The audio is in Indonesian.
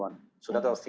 untuk melihat perubahan